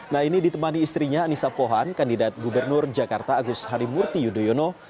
nah ini ditemani istrinya anissa pohan kandidat gubernur jakarta agus harimurti yudhoyono